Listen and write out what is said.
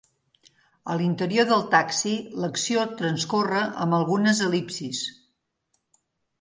A l'interior del taxi l'acció transcorre amb algunes el·lipsis.